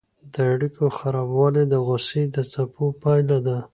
د اړیکو خرابوالی د غوسې د څپو پایله ده.